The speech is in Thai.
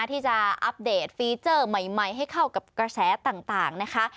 ที่จะอัปเดตฟีเจอร์ใหม่ให้เข้ากับกระแสต่างนะคะ